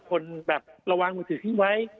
คนแบบเราวางมือถือที่ไว้